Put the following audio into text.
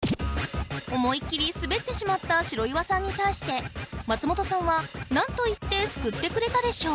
思いっきりスベってしまった白岩さんに対して松本さんは何と言って救ってくれたでしょう？